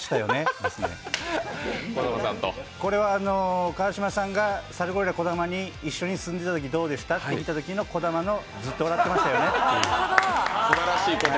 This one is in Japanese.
これは川島さんがサルゴリラ・児玉に一緒に住んでいたときどうでした？って聞いたとき児玉の「ずっと笑ってましたよね」。すばらしい言葉。